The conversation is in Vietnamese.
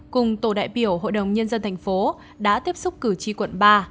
cùng tổ đại biểu hội đồng nhân dân tp hcm đã tiếp xúc cử tri quận ba